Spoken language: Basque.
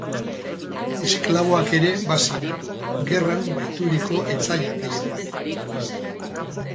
Esklaboak ere baziren, gerran bahituriko etsaiak gehienbat.